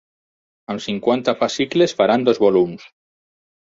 Amb cinquanta fascicles faran dos volums.